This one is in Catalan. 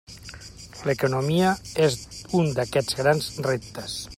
L'economia és un d'aquests grans reptes.